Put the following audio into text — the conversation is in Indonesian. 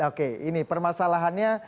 oke ini permasalahannya